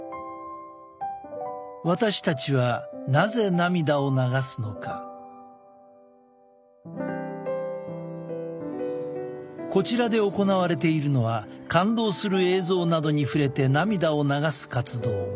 私たちはこちらで行われているのは感動する映像などに触れて涙を流す活動